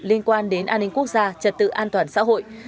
liên quan đến an ninh quốc gia trật tự an toàn xã hội